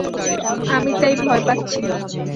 আমি তাই ভয় পাচ্ছি।